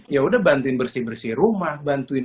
yaudah bantuin bersih bersih rumah bantuin